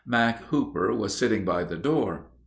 Mack Hooper was sitting by the door.